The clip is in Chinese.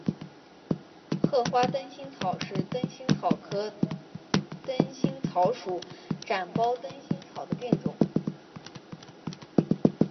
褐花灯心草是灯心草科灯心草属展苞灯心草的变种。